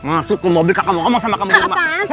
masuk ke mobil kakak mau omong sama kamu rumah